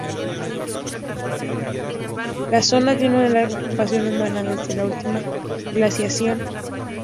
La zona tiene una larga ocupación humana desde la última glaciación.